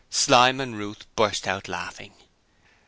Slyme and Ruth burst out laughing.